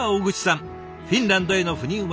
フィンランドへの赴任は２度目。